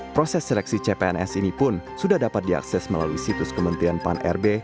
proses seleksi cpns ini pun sudah dapat diakses melalui situs kementerian pan rb